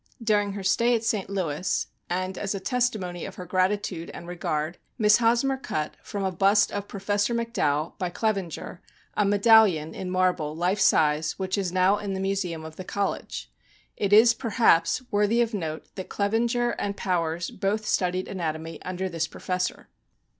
Dur ing her stay at St. Louis, and as a testi mony of her gratitude and regard, Miss Hosmer cut, from a bust of Professor Mc Dowell, by Clevenger, a medallion in mar ble, life size, which is now in the museum of the college. It is, perhaps, worthy of note, that Clevenger and Powers both studied anatomy under this professor.